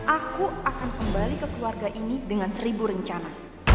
aku akan kembali ke keluarga ini dengan seribu rencana